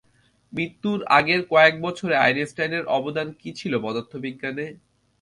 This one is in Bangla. মৃত্যুর আগের কয়েক বছরে আইনস্টাইনের অবদান কী ছিল পদার্থবিজ্ঞানে?